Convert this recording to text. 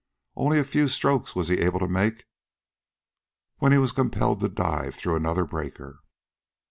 Only a few strokes was he able to make ere he was compelled to dive through another breaker.